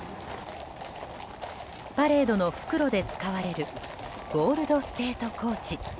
パレードの復路で使われるゴールド・ステート・コーチ。